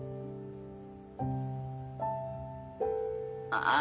ああ！